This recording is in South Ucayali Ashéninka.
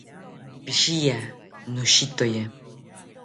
Pishiya, noshitoye